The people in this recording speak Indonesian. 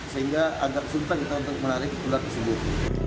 sehingga agak susah kita untuk menarik ular tersebut